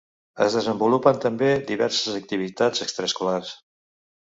Es desenvolupen també diverses activitats extraescolars.